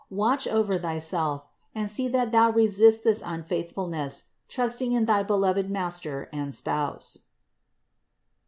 Watch over thyself, and see that thou resist this un faithfulness, trusting in thy beloved Master and Spouse.